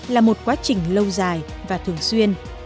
là một quá trình lâu dài và thường xuyên